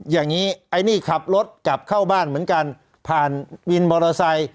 อย่างนี้ไอ้นี่ขับรถกลับเข้าบ้านเหมือนกันผ่านวินมอเตอร์ไซค์